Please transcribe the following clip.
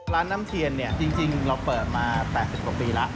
น้ำเทียนเนี่ยจริงเราเปิดมา๘๐กว่าปีแล้ว